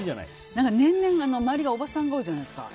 年々、周りがおばさんが多いじゃないですか。